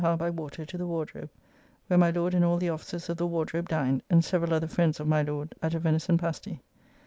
Howe by water to the Wardrobe, where my Lord and all the officers of the Wardrobe dined, and several other friends of my Lord, at a venison pasty.